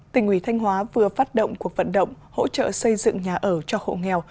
tỉnh ủy thanh hóa vừa phát động cuộc vận động hỗ trợ xây dựng nhà ở cho hộ nghèo